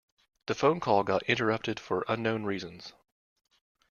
The phone call got interrupted for unknown reasons.